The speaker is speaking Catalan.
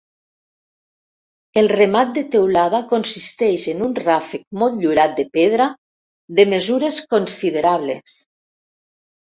El remat de teulada consisteix en un ràfec motllurat de pedra, de mesures considerables.